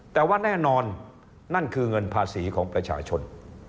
แต่ว่าแน่นอนนั่นคือเงินภาษีของประชาชน